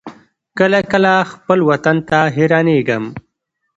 کله کله خپل وطن ته حيرانېږم.